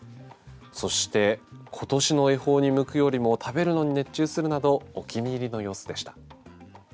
そしてことしの恵方に向くよりも食べるのに熱中するなどお気に入りの様子でした。